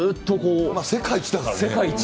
世界一だからね。